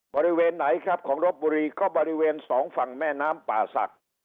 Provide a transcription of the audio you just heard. บริเวณไหนครับของรบบุรีก็บริเวณสองฝั่งแม่น้ำป่าศักดิ์